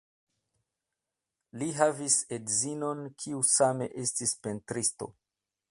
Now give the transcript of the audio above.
Li havis edzinon, kiu same estis pentristo.